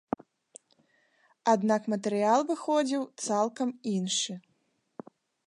Аднак матэрыял выходзіў цалкам іншы.